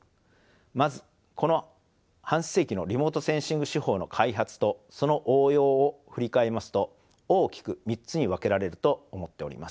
まずこの半世紀のリモートセンシング手法の開発とその応用を振り返りますと大きく３つに分けられると思っております。